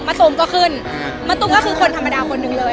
โซมก็ขึ้นมะตูมก็คือคนธรรมดาคนหนึ่งเลย